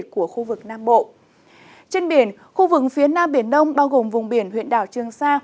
trên biển khu vực phía nam biển đông bao gồm vùng biển huyện đảo trương sa